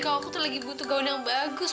kalau aku tuh lagi butuh gaun yang bagus